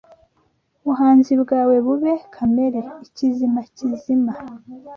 Ubuhanzi bwawe bube Kamere; ikizima kizima